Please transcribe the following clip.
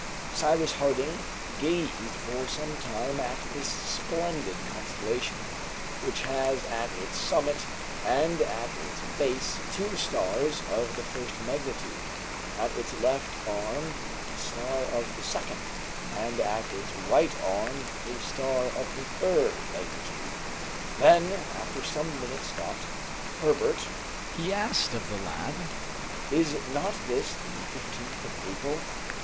Cyrus Harding gazed for some time at this splendid constellation, which has at its summit and at its base two stars of the first magnitude, at its left arm a star of the second, and at its right arm a star of the third magnitude. Then, after some minutes thought "Herbert," he asked of the lad, "is not this the 15th of April?"